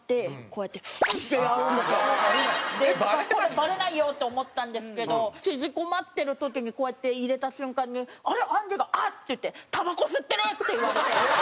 バレないよって思ったんですけど縮こまってる時にこうやって入れた瞬間にあんりが「あっ！」って言って「タバコ吸ってる！」って言われて。